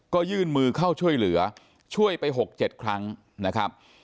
ก็ยื่นมือเข้าช่วยเหลือช่วยไป๖๗ครั้งนะครับ